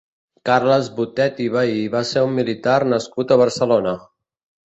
Carles Botet i Vehí va ser un militar nascut a Barcelona.